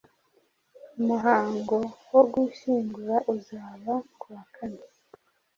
Umuhango wo gushyingura uzaba kuwakane